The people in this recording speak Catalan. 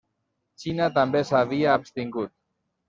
Xina també s'havia abstingut.